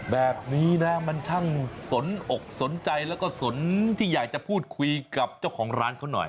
แบบนี้นะมันช่างสนอกสนใจแล้วก็สนที่อยากจะพูดคุยกับเจ้าของร้านเขาหน่อย